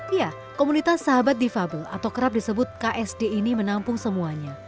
iya komunitas sahabat difabel atau kerap disebut ksd ini menampung semuanya